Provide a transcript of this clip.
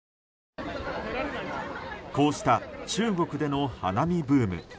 こうした中国での花見ブーム。